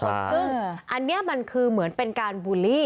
ซึ่งอันนี้มันคือเหมือนเป็นการบูลลี่